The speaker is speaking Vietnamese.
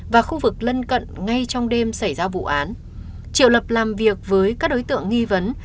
và khu vực lân cận ngay trong đêm xảy ra vụ án triệu lập làm việc với các đối tượng nghi vấn